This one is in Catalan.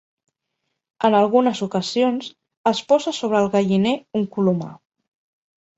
En algunes ocasions es posa sobre el galliner un colomar.